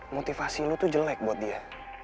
motivasi lo tuh jelek buat dia